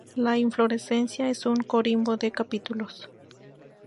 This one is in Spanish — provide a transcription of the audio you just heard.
La inflorescencia es un corimbo de capítulos.